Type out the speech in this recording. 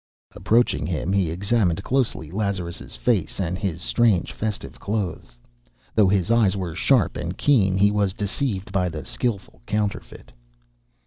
Approaching him, he examined closely Lazarus' face and his strange festive clothes. Though his eyes were sharp and keen, he was deceived by the skilful counterfeit.